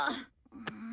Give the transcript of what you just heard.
うん。